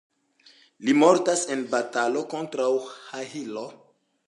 Li mortas en batalo kontraŭ Aĥilo.